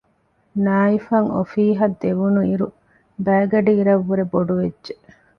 ނާއިފަށް އޮފީހަށް ދެވުނުއިރު ބައިގަޑިއިރަށް ވުރެ ބޮޑުވެއްޖެ